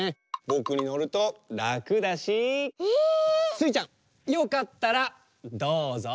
スイちゃんよかったらどうぞ。